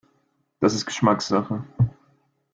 Das ist Geschmackssache.